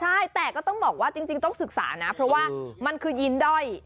ใช่แต่ก็ต้องบอกว่าจริงต้องศึกษานะเพราะว่ามันคือยินด้อย